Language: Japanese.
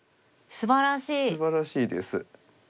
すばらしいです。